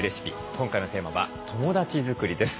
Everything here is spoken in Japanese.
今回のテーマは友だち作りです。